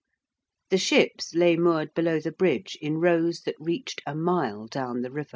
The ships lay moored below the Bridge in rows that reached a mile down the river.